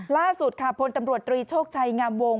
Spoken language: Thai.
ล่าสุดค่ะพลตำรวจตรีโชคชัยงามวง